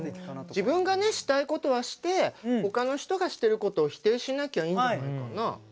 自分がねしたいことはして他の人がしてることを否定しなきゃいいんじゃないかな。